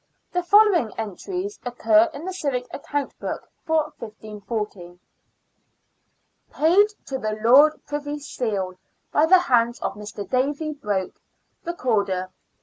The follow ing entries occur in the civic account book for 1540 :—" Paid to the Lord Privy Seal by the hands of Mr. Davy Broke, Recorder, £20."